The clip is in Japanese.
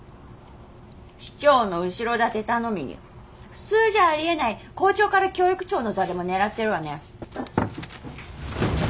市長の後ろ盾頼みに普通じゃありえない校長から教育長の座でも狙ってるわね。